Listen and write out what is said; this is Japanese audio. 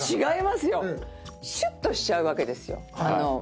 シュッとしちゃうわけですよ。